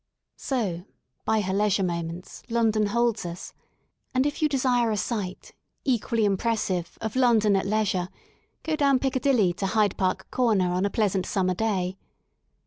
So by her leisure moments London holds us. And if you desire a sight, equally impressive, of London at leisure, go down Piccadilly to Hyde Park Corner on a pleasant summer day.